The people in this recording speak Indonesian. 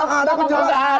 orang ada kejauhan